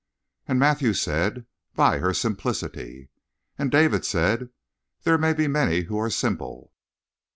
"And Matthew said: 'By her simplicity.' "And David said: 'There may be many who are simple.'